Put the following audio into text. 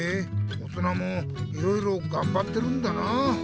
大人もいろいろがんばってるんだなあ。